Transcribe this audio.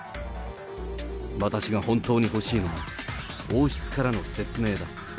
私が本当に欲しいのは、王室からの説明だ。